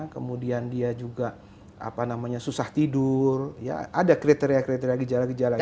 kemudian dia juga susah tidur ya ada kriteria kriteria gejala gejala itu